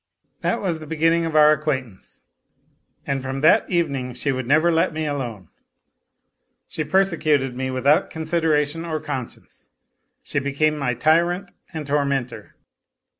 That was the beginning of our acquaintance, and from that 228 A LITTLE HERO evening she would never let me alone. She persecuted me without consideration or conscience, she became my tyrant and tormentor.